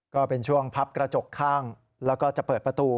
ก็เป็นช่วงพับกระจกข้างแล้วก็จะเปิดประตู